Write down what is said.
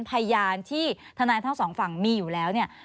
พยานที่ทนายทั้งสองฝั่งมีอยู่แล้วเนี่ย